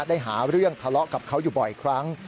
ได้หาเรื่องทะเลาะกับเขาอยู่บ่อยครั้ง